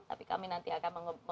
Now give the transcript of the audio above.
tapi kami nanti akan memberikan video